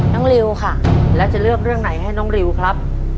ริวค่ะแล้วจะเลือกเรื่องไหนให้น้องริวครับ